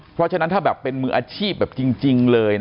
เพราะฉะนั้นถ้าแบบเป็นมืออาชีพแบบจริงเลย